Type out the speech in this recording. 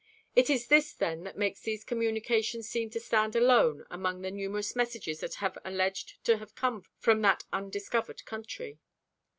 It is this that makes these communications seem to stand alone among the numerous messages that are alleged to have come from "that undiscovered country."